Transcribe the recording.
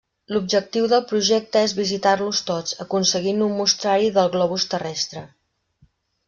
L'objectiu del projecte és visitar-los tots, aconseguint un mostrari del globus terrestre.